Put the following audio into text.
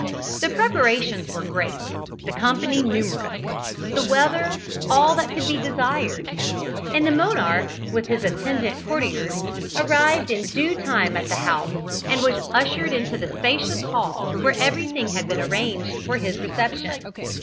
The preparations were great the company numerous the weather all that could be desired, and the monarch, with his attendant courtiers, arrived in due time at the house, and was ushered into the spacious hall, where everything had been arranged for his reception.